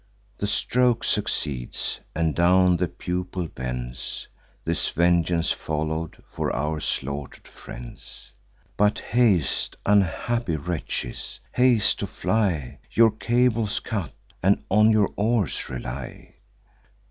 The stroke succeeds; and down the pupil bends: This vengeance follow'd for our slaughter'd friends. But haste, unhappy wretches, haste to fly! Your cables cut, and on your oars rely!